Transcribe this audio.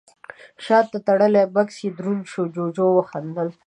شاته تړلی بکس يې دروند شو، جُوجُو وخندل: